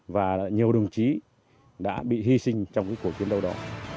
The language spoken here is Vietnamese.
và nhiều đồng chí đã bị hy sinh trong cái cuộc chiến đấu đó